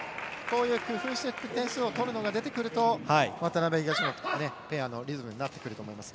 工夫して点数を取るのが出てくると渡辺、東野ペアのリズムになってくると思います。